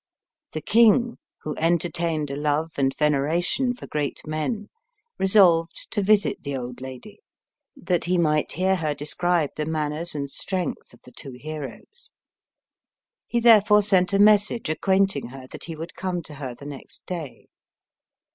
The king, who entertained a love and veneration for great men, resolved to visit the old lady, that he might hear her describe the manners and strength of the two heroes. He therefore sent a message acquainting her that he would come to her the next day.